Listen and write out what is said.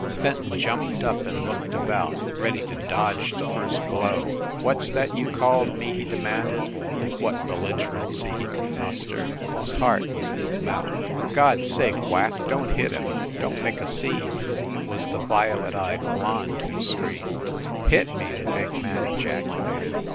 Fenton jumped up and looked about, ready to dodge the first blow. "What s that you called me?" he demanded, with what belligerency he could muster. His heart was in his mouth. "For God s sake, Whack, don t hit him! Don t make a scene." It was the violet eyed blonde who screamed. "Hit me!" the big man ejaculated.